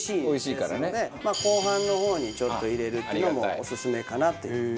後半の方にちょっと入れるっていうのもオススメかなっていう。